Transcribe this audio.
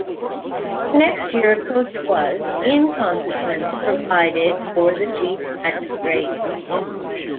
The next year a coach was, in consequence, provided for the chief magistrate.